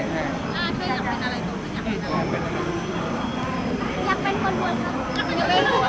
อยากเป็นคนหลวงครับ